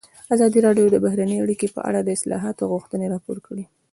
ازادي راډیو د بهرنۍ اړیکې په اړه د اصلاحاتو غوښتنې راپور کړې.